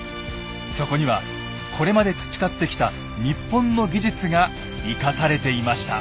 そこにはこれまで培ってきた日本の技術が生かされていました。